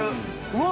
うわ！